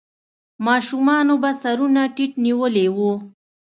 ماشومانو به سرونه ټيټ نيولې وو.